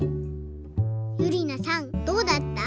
ゆりなさんどうだった？